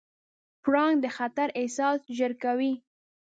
پړانګ د خطر احساس ژر کوي.